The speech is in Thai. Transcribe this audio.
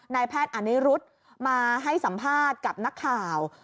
นายแพทย์อนิรุธมาให้สัมภาษณ์กับนักข่าว